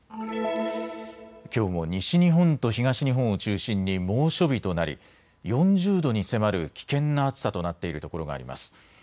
きょうも西日本と東日本を中心に猛暑日となり４０度に迫る危険な暑さとなっている所があります。